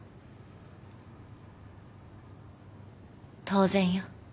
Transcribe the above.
当然よ。